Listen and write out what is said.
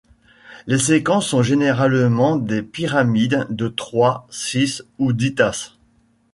Les séquences sont généralement des pyramides de trois, six ou dix tasses.